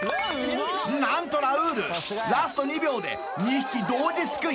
何とラウールラスト２秒で２匹同時すくい！